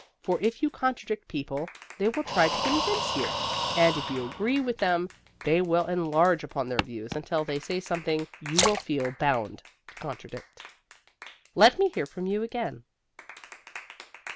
For if you contradict people, they will try to convince you; and if you agree with them, they will enlarge upon their views until they say something you will feel bound to contradict. Let me hear from you again.